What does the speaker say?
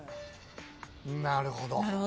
なるほど。